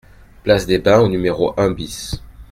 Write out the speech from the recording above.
Place des Bains au numéro un BIS